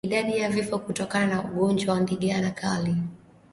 Idadi ya vifo kutokana na ugonjwa wa ndigana kali